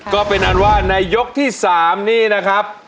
ก็เป็นอันว่าในยกที่๓นี้นะครับ